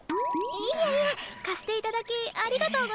いえいえ貸して頂きありがとうございました。